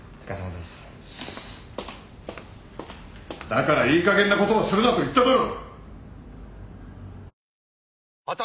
・だからいいかげんなことをするなと言っただろ！